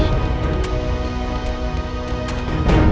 aku pasti bakal mali